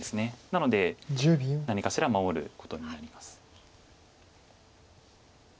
なので何かしら守ることになります。